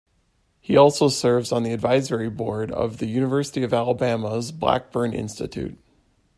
He also serves on the advisory board of the University of Alabama's Blackburn Institute.